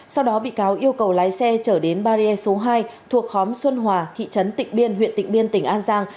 sau đó bị cáo yêu cầu lái xe trở đến bariê số hai thuộc khóm xuân hòa thị trấn tỉnh biên huyện tỉnh biên tỉnh an giang